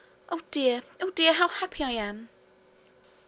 Oh, dear! oh, dear! how happy I am!'